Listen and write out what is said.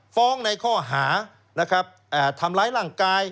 ฟ้องในข้อหานะครับทำร้ายร่างกาย